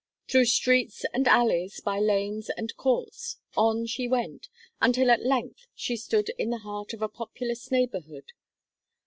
Through streets and alleys, by lanes and courts on she went, until at length she stood in the heart of a populous neighbourhood.